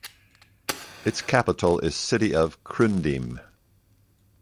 Its capital is city of Chrudim.